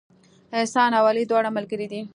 احسان او علي دواړه ملګري دي